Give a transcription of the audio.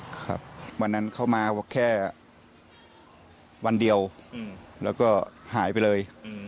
ครับวันนั้นเข้ามาแค่วันเดียวแล้วก็หายไปเลย